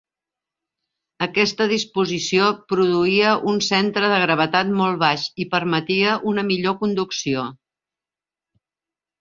Aquesta disposició produïa un centre de gravetat molt baix i permetia una millor conducció.